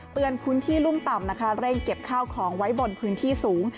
พื้นที่รุ่มต่ำนะคะเร่งเก็บข้าวของไว้บนพื้นที่สูง